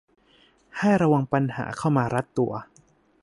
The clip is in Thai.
ให้ระวังปัญหาเข้ามารัดตัว